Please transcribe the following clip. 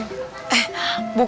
bukan gitu bang dulo